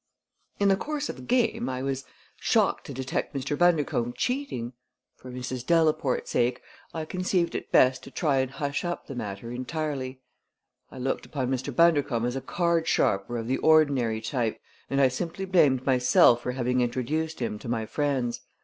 "In the course of the game I was shocked to detect Mr. Bundercombe cheating. For Mrs. Delaporte's sake I conceived it best to try and hush up the matter entirely. I looked upon Mr. Bundercombe as a card sharper of the ordinary type, and I simply blamed myself for having introduced him to my friends.